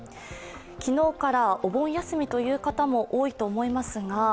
昨日からお盆休みという方も多いと思います。